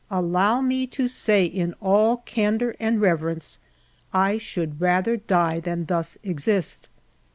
Allow me to say in all candor and reverence, I should rather die than thus exist.